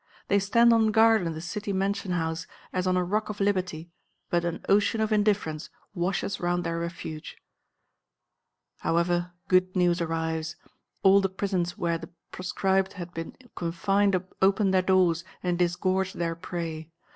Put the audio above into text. They stand on guard in the city mansion house, as on a rock of liberty, but an ocean of indifference washes round their refuge. However, good news arrives. All the prisons where the proscribed had been confined open their doors and disgorge their prey.